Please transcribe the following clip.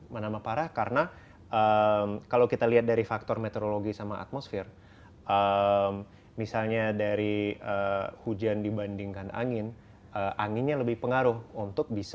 menambah parah karena kalau kita lihat dari faktor meteorologi sama atmosfer misalnya dari hujan dibandingkan angin anginnya lebih pengaruh untuk bisa